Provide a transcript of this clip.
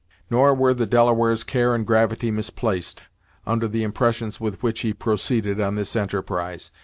Nor were the Delaware's care and gravity misplaced, under the impressions with which he proceeded on this enterprise.